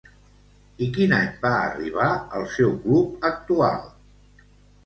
I quin any va arribar al seu club actual?